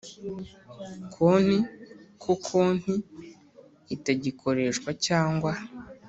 konti ko konti itagikoreshwa cyangwa